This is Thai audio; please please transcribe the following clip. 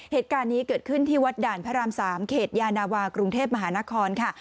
เหตุการณ์นี้เกิดขึ้นที่วัดด่านพระราม๓เขตยานาวากรุงเทพมหานครค่ะ